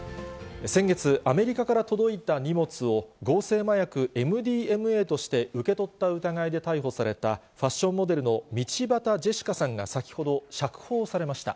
先月、アメリカから届いた荷物を合成麻薬ＭＤＭＡとして受け取った疑いで逮捕されたファッションモデルの道端ジェシカさんが先ほど、釈放されました。